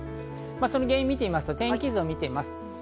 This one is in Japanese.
原因を見てみますと、天気図を見てみます。